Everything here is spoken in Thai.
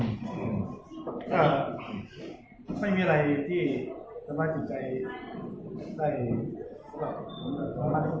ยไม่มีอะไรที่สบายตลอดทุกใจใดของมึง